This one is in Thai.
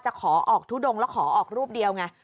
ขอออกทุดงแล้วขอออกรูปเดียวไง